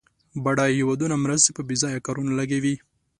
بډایه هېوادونه مرستې په بیځایه کارونو لګوي.